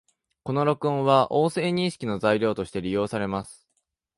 この録音は、音声認識の材料として利用されます